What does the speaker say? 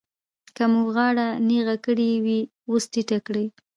که مو غاړه نېغه کړې وي اوس ټیټه کړئ.